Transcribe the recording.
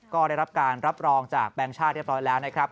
ก็ได้รับการรับรองจากแบงค์ชาติเรียบร้อยแล้วนะครับ